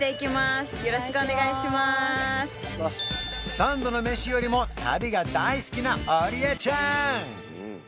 三度の飯よりも旅が大好きなオリエちゃん